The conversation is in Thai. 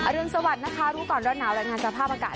อรึณสวัสดีนะคะดูก่อนร่อนหนาวและงานสภาพอากาศ